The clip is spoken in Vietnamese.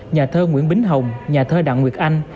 nhà thơ nguyễn bính hồng nhà thơ đặng nguyệt anh